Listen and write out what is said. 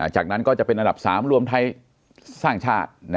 จากนั้นก็จะเป็นอันดับ๓รวมไทยสร้างชาติ